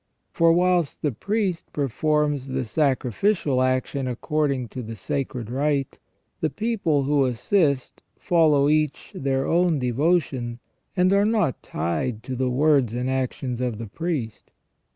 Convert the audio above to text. For whilst the priest performs the sacrificial action according to the sacred rite, the people who assist follow each their own devotion and are not tied to the words and actions of the priest.